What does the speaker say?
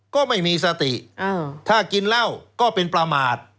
ก็ไม่มีสติถ้ากินเหล้าก็เป็นประมาท